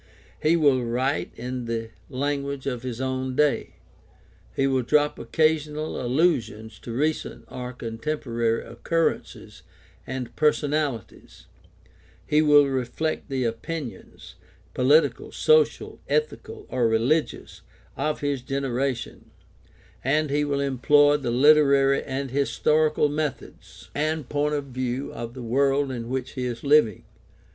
He will write in the language of his own day; he will drop occasional allusions to recent or con temporary occurrences and personalities; he will reflect the OLD TESTAMENT AND RELIGION OF ISRAEL 123 opinions — political, social, ethical, or religious — of his genera tion, and he will employ the literary and historical methods and point of view of the world in which he is living.